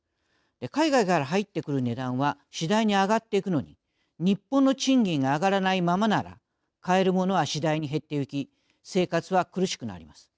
海外から入ってくる値段は次第に上がっていくのに日本の賃金が上がらないままなら買えるものは次第に減っていき生活は苦しくなります。